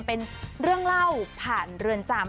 เป็นเรื่องเล่าผ่านเรือนจำ